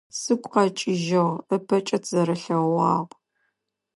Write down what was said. Сыгу къэкӏыжьыгъ, ыпэкӏэ тызэрэлъэгъугъагъ.